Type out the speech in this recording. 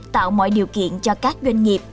tạo mọi điều kiện cho các doanh nghiệp